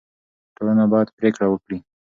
ټولنه باید پرېکړه وکړي.